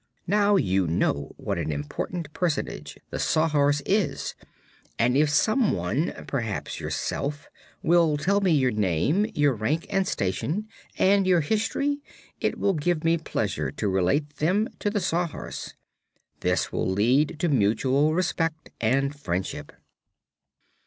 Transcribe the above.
Now you know what an important personage the Sawhorse is, and if some one perhaps yourself will tell me your name, your rank and station, and your history, it will give me pleasure to relate them to the Sawhorse. This will lead to mutual respect and friendship."